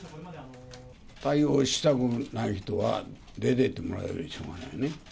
対応したくない人は出て行ってもらうよりしょうがないよね。